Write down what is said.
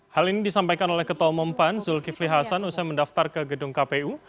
hal ini disampaikan oleh ketua umum pan zulkifli hasan usai mendaftar ke gedung kpu